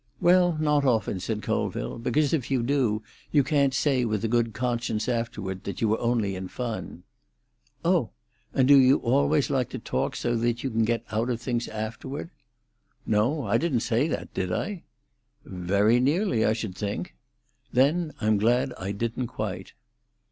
"Well, not often," said Colville. "Because, if you do, you can't say with a good conscience afterward that you were only in fun." "Oh! And do you always like to talk so that you can get out of things afterward?" "No. I didn't say that, did I?" "Very nearly, I should think." "Then I'm glad I didn't quite."